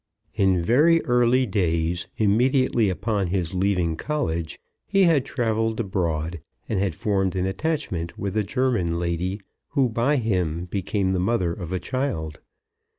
In very early days, immediately upon his leaving college, he had travelled abroad and had formed an attachment with a German lady, who by him became the mother of a child.